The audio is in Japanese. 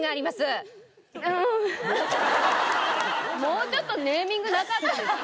もうちょっとネーミングなかったですか？